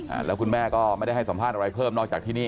แล้วคุณแม่ก็ไม่ได้ให้สัมภาษณ์อะไรเพิ่มนอกจากที่นี่